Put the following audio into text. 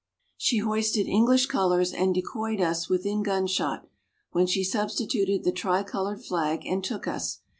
She hoisted English colours, and decoyed us within gun shot, when she substituted the tri coloured flag, and took us.